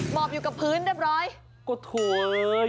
หมอบอยู่กับพื้นเรียบร้อย